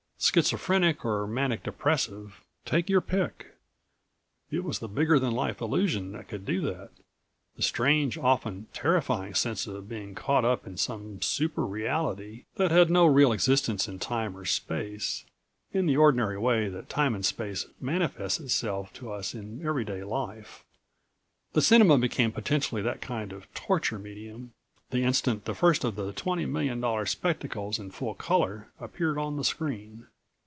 Schizophrenic or manic depressive, take your pick. It was the bigger than life illusion that could do that the strange, often terrifying sense of being caught up in some super reality that had no real existence in time or space, in the ordinary way that time and space manifests itself to us in everyday life. The cinema became potentially that kind of torture medium the instant the first of the twenty million dollar spectacles in full color appeared on the screen.